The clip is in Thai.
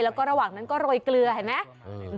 แล้วก็ระหว่างนั้นก็โรยเกลือเห็นไหม